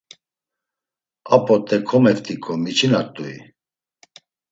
A p̌ot̆e komeft̆iǩo miçinat̆ui?